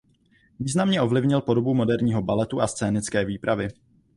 Významně ovlivnil podobu moderního baletu a scénické výpravy.